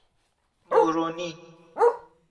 مورونی